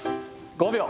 ５秒。